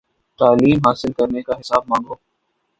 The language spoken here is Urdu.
تعلیم حاصل کرنے کا حساب مانگو